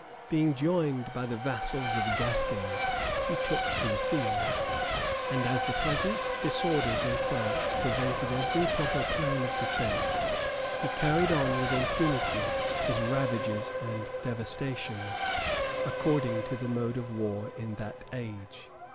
Being joined by the vassals of Gascony, he took the field; and as the present disorders in France prevented every proper plan of defence, he carried on with impunity his ravages and devastations, according to the mode of war in that age.